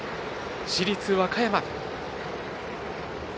市立和歌山。